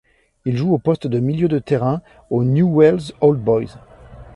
Il joue au poste de milieu de terrain au Newell's Old Boys.